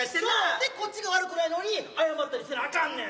でこっちが悪くないのに謝ったりせなあかんねん。